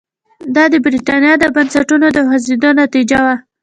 دا د برېټانیا د بنسټونو د خوځېدو نتیجه وه.